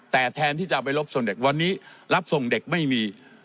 แต่แทนที่จะเอาไปรบส่วนเด็กวันนี้รับส่งเด็กไม่มี